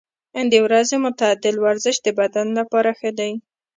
د ورځې معتدل ورزش د بدن لپاره ښه دی.